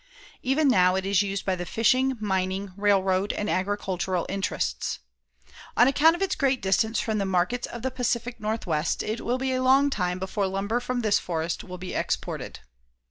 Even now, it is used by the fishing, mining, railroad and agricultural interests. On account of its great distance from the markets of the Pacific Northwest it will be a long time before lumber from this forest will be exported.